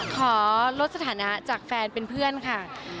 ขอลดสถานะจากแฟนเป็นเพื่อนค่ะ